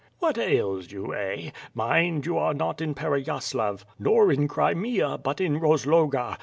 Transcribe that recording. "What ails you, eh? Mind, you are not in Pereyaslav, nor in Crimea; but in Rozloga.